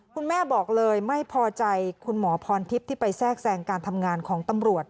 คุณแม่บอกเลยไม่พอใจคุณหมอพรทิพย์ที่ไปแทรกแทรงการทำงานของตำรวจ